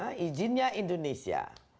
hah ijinnya indonesia